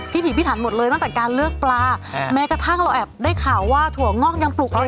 ถีพิถันหมดเลยตั้งแต่การเลือกปลาแม้กระทั่งเราแอบได้ข่าวว่าถั่วงอกยังปลูกเลย